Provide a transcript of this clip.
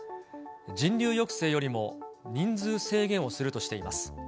人流抑制よりも人数制限をするとしています。